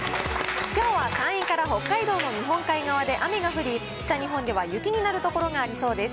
きょうは山陰から北海道の日本海側で雨が降り、北日本では雪になる所がありそうです。